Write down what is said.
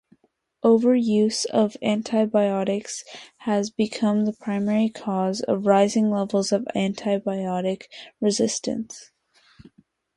Overuse of antibiotics has become the primary cause of rising levels of antibiotic resistance.